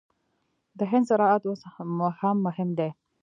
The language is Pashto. د هند زراعت اوس هم مهم دی.